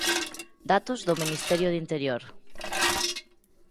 Datos do Ministerio de Interior.